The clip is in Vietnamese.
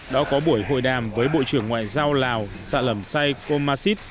đã có buổi hội đàm với bộ trưởng ngoại giao lào sa lầm sai kho masit